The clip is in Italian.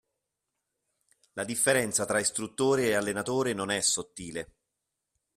La differenza tra istruttore ed allenatore non è sottile